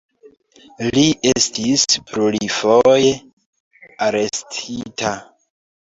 Li estis plurfoje arestita.